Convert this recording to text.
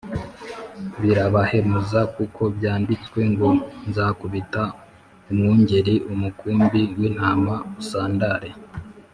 birabahemuza, kuko byanditswe ngo, nzakubita umwungeri, umukumbi w’intama usandare